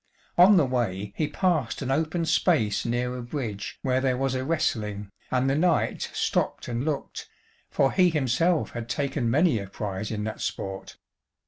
On the way he passed an open space near a bridge where there was a wrestling, and the knight stopped and looked, for he himself had taken many a prize in that sport.